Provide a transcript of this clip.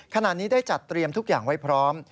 ขณะนี้ได้จัดเตรียมทุกอย่างไว้พร้อม